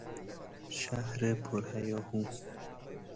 شهر پر هیاهو